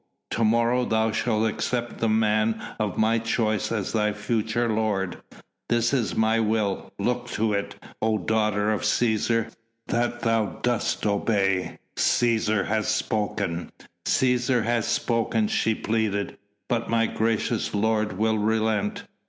To morrow thou shalt accept the man of my choice as thy future lord. That is my will. Look to it, O daughter of Cæsar, that thou dost obey. Cæsar hath spoken." "Cæsar hath spoken," she pleaded, "but my gracious lord will relent."